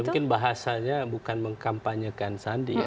mungkin bahasanya bukan mengkampanyekan sandi